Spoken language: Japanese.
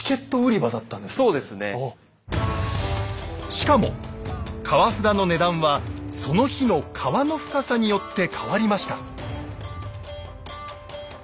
しかも「川札」の値段はその日の川の深さによって変わりました。